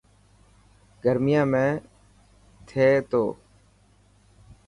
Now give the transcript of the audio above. گرميان ۾........ٿي تو.